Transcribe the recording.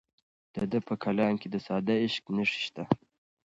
د ده په کلام کې د ساده عشق نښې شته.